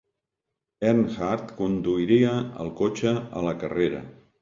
Earnhardt conduiria el cotxe a la carrera.